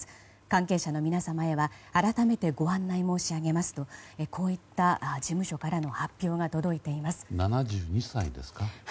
関係者の皆様へは改めてご案内申し上げますとこういった事務所からの発表が届いています。